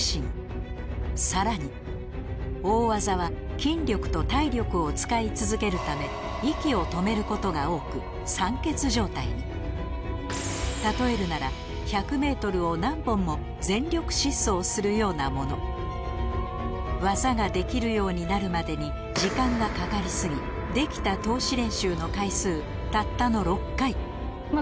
さらに大技は筋力と体力を使い続けるため息を止めることが多く例えるなら１００ｍを何本も全力疾走するようなもの技ができるようになるまでに時間がかかり過ぎできたそうですね。